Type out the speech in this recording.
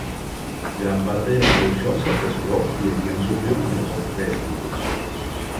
Gran parte de la producción se apresuró y el guion sufrió numerosas reescrituras.